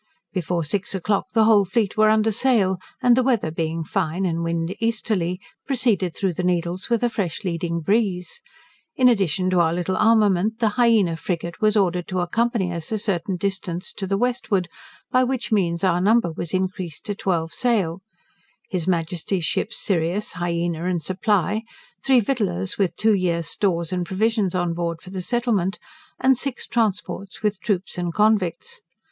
Before six o'clock the whole fleet were under sail; and, the weather being fine and wind easterly, proceeded through the Needles with a fresh leading breeze. In addition to our little armament, the Hyena frigate was ordered to accompany us a certain distance to the westward, by which means our number was increased to twelve sail: His Majesty's ships 'Sirius', 'Hyena', and 'Supply', three Victuallers with two years stores and provisions on board for the Settlement, and six Transports, with troops and convicts.